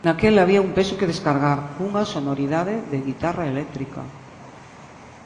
Naquel había un peso que descargar, cunha sonoridade de guitarra eléctrica.